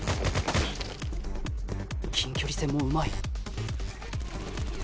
「」近距離戦もうまい。